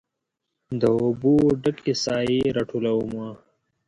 د اوبو ډ کې سائې راټولومه